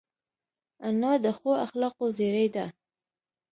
انا د ښو اخلاقو زېری ده